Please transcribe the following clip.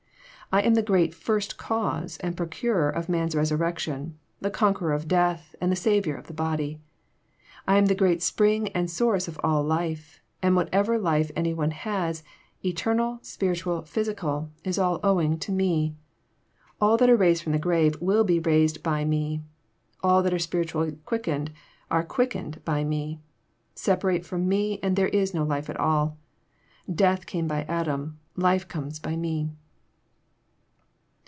I am the great First Cause and Procurer of man's resurrection, the Conqueror of death, and the Saviour of the body. I am the great Spring and Source of all life, and what ever life any one has, eternal, spiritual, physical, is all owing to Me. All that are raised from the grave will be raised by Me. All that are spiritually quickened are quickened by Me. Sep arate ttom. Me there Is no life at all. Death came by Adam : life comes by Me."